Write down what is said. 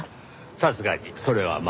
さすがにそれはまだ。